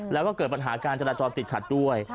แล้วก็เกิดปัญหาการจราจรติดขัดด้วย